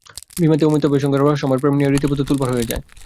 বিবাহিত অমিতাভের সঙ্গে রেখার রহস্যময় প্রেম নিয়ে রীতিমতো তোলপাড় পড়ে যায়।